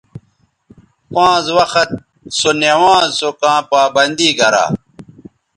پانز وخت سونوانز سو کاں پابندی گرا